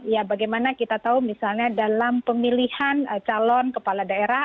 ya bagaimana kita tahu misalnya dalam pemilihan calon kepala daerah